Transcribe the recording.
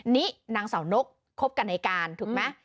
นี่นางเสานกคบกันในการถูกไหม